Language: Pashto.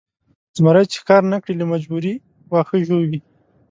زمری چې ښکار نه کړي له مجبورۍ واښه ژوي.